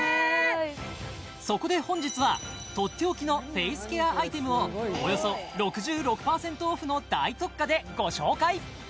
そこで本日はとっておきのフェイスケアアイテムをおよそ６６％オフの大特価でご紹介